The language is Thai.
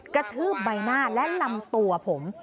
กระทืบใบหน้าและลำตัวผม